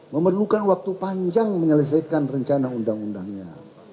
memerlukan waktu panjang menyelesaikan rencana undang undangnya